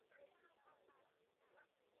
那里主要展出中世纪的艺术品。